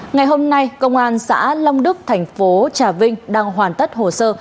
ngày hôm nay công an xã long đức thành phố trà vinh đang hoàn tất hồ sơ